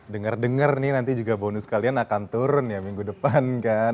dengar dengar nih nanti juga bonus kalian akan turun ya minggu depan kan